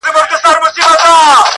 • غټ بدن داسي قوي لکه زمری ؤ,